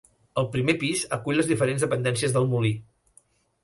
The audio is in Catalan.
El primer pis acull les diferents dependències del molí.